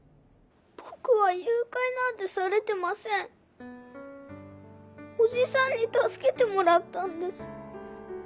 僕は誘拐なんてされてませんおじさんに助けてもらったんです